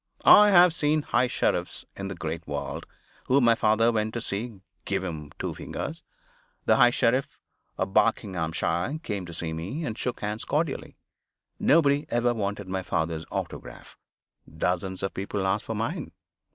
I have seen High Sheriffs in the great world, whom my father went to see, give him two fingers the High Sheriff of Barkinghamshire came to see me, and shook hands cordially. Nobody ever wanted my father's autograph dozens of people asked for mine.